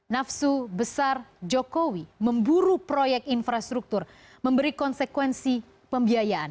nafsu besar jokowi memburu proyek infrastruktur memberi konsekuensi pembiayaan